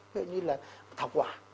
ví dụ như là thảo quả